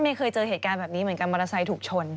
เคยเจอเหตุการณ์แบบนี้เหมือนกันมอเตอร์ไซค์ถูกชน